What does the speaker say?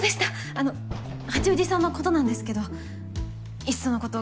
あの八王子さんのことなんですけどいっそのこと